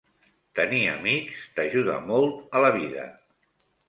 Tenir amics t'ajuda molt a la vida.